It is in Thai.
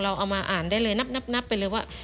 เอามาอ่านได้เลยนับไปเลยว่า